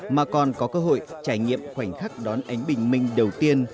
mà còn có cơ hội trải nghiệm khoảnh khắc đón ánh bình minh đầu tiên